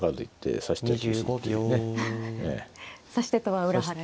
指し手とは裏腹に。